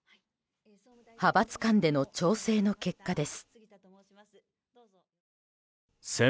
派閥間での調整の結果です。